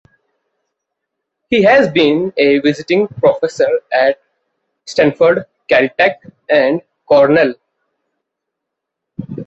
He has been a visiting professor at Stanford, Caltech, and Cornell.